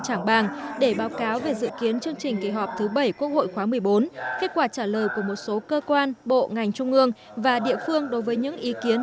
trảng bàng để báo cáo về dự kiến chương trình kỳ họp thứ bảy quốc hội khóa một mươi bốn kết quả trả lời của một số cơ quan bộ ngành trung ương và địa phương đối với những ý kiến